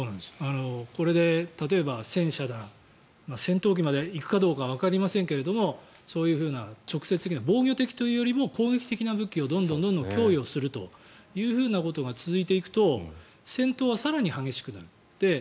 これで例えば戦車だ戦闘機までいくかはわかりませんがわかりませんけれどもそういうふうな直接的な防御的というよりも攻撃的な兵器をどんどん供与するということが続いていくと戦闘は更に激しくなる。